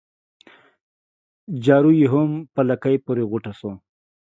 جارو يې هم په لکۍ پوري غوټه سو